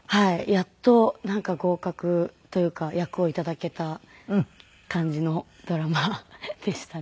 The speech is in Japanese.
やっとなんか合格というか役を頂けた感じのドラマでしたね。